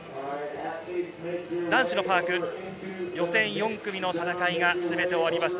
男子のパーク、予選４組の戦いがすべて終わりました。